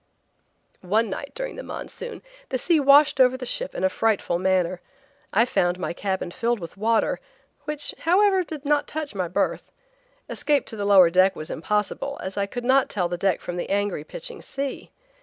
One night during the monsoon the sea washed over the ship in a frightful manner. I found my cabin filled with water, which, however, did not touch my berth. Escape to the lower deck was impossible, as I could not tell the deck from the angry, pitching sea.